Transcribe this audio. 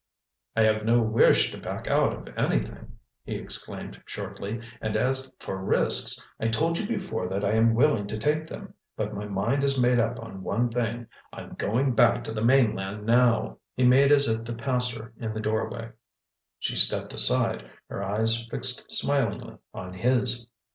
"I have no wish to back out of anything," he exclaimed shortly. "And as for risks, I told you before that I am willing to take them. But my mind is made up on one thing—I'm going back to the mainland now!" He made as if to pass her in the doorway. She stepped aside, her eyes fixed smilingly on his.